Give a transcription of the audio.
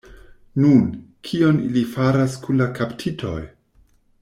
Nu, kion ili faras kun la kaptitoj?